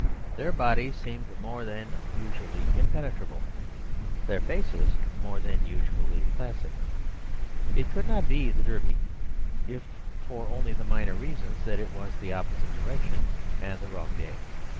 Their bodies seemed more than usually impenetrable, their faces more than usual placid. It could not be the Derby, if only for the minor reasons that it was the opposite direction and the wrong day.